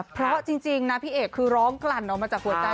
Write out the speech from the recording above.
เพราะจริงนะพี่เอกคือร้องกลั่นออกมาจากหัวใจ